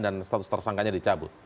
dan status tersangkanya dicabut